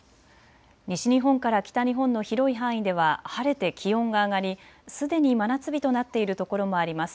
西日本から北日本の広い範囲では晴れて気温が上がりすでに真夏日となっているところもあります。